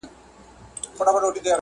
له سدیو تښتېدلی چوروندک دی-